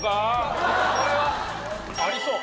これはありそう！